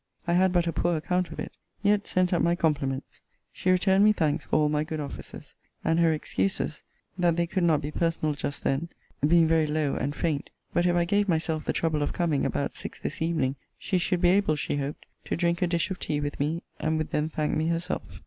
I had but a poor account of it: yet sent up my compliments. She returned me thanks for all my good offices; and her excuses, that they could not be personal just then, being very low and faint: but if I gave myself the trouble of coming about six this evening, she should be able, she hoped, to drink a dish of tea with me, and would then thank me herself.